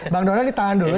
bang dona ditahan dulu